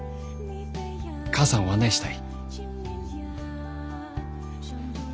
母さんを案内したい。